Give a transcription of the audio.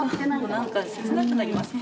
なんか切なくなりません？